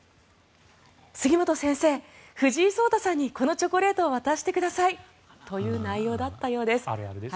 杉本先生、藤井聡太さんにこのチョコレートを渡してくださいという内容だったようです。